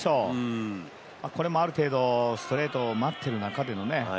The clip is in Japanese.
これもある程度ストレートを待っている中でのね。